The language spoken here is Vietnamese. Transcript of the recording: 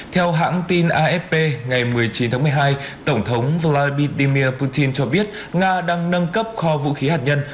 theo hãng tin afp ngày một mươi chín tháng một mươi hai tổng thống vladimir putin cho biết nga đang nâng cấp kho vũ khí hạt nhân